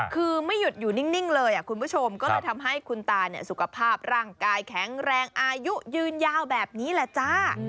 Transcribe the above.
คือไม่หยุดอยู่นิ่งเลยคุณผู้ชมก็เลยทำให้คุณตาสุขภาพร่างกายแข็งแรงอายุยืนยาวแบบนี้แหละจ้า